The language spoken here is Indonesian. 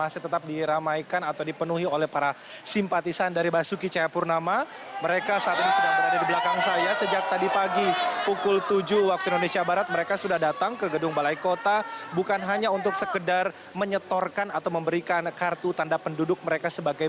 selamat siang presidio puspa